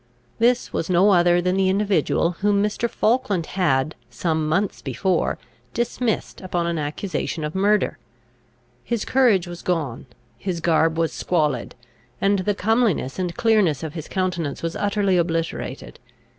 This was no other than the individual whom Mr. Falkland had, some months before, dismissed upon an accusation of murder. His courage was gone, his garb was squalid, and the comeliness and clearness of his countenance was utterly obliterated.